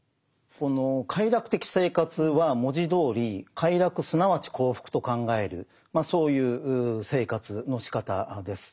この快楽的生活は文字どおり快楽すなわち幸福と考えるそういう生活のしかたです。